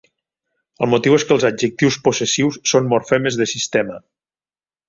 El motiu és que els adjectius possessius són morfemes de sistema.